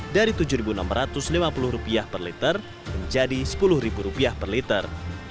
dari rp tujuh enam ratus lima puluh per liter menjadi rp sepuluh per liter